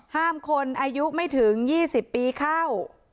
ห้ามคนอายุไม่ถึง๒๐ปีเข้า